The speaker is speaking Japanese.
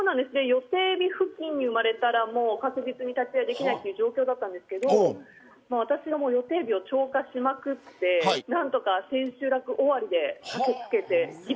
予定日付近に生まれたら、確実に立ち会いできない状況だったんですけど私が予定日を超過しまくって何とか千秋楽終わりで駆け付けて。